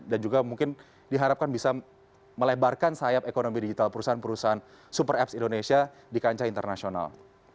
dan juga mungkin diharapkan bisa melebarkan sayap ekonomi digital perusahaan perusahaan super apps indonesia di kancah internasional